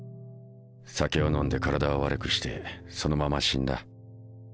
酒を飲んで体を悪くしてそのまま死んだ。